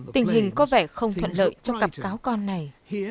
tình hình có vẻ không thuận lợi cho cặp cáo con này